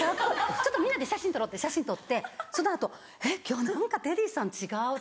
ちょっとみんなで写真撮ろう」って写真撮ってその後「今日何かテディさん違う」。